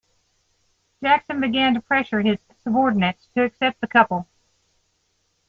Jackson began to pressure his subordinates to accept the couple.